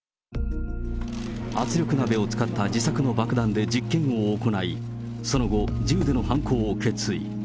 圧力鍋を使った自作の爆弾で実験を行い、その後、銃での犯行を決意。